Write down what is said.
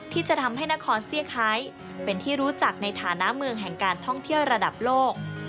ที่จะทำให้นครเซี่ยไฮเป็นที่รู้จักในฐานะเมืองแห่งการท่องเที่ยวระดับโลก